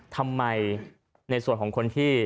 ทำไมในส่วนของคนที่